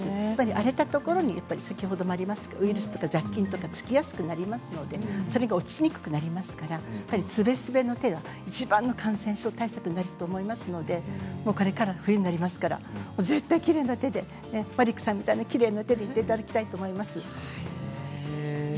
荒れたところにウイルスや雑菌がつきやすくなりますので落ちにくくなりますからすべすべの手がいちばん感染症対策になると思いますのでこれから冬になりますから絶対きれいな手でマリックさんみたいなきれいな手でいていただきたいと思います。